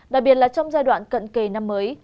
đặc biệt là trong giai đoạn cận kề năm mới